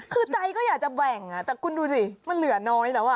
คือใจก็อยากจะแบ่งแต่คุณดูสิมันเหลือน้อยแล้ว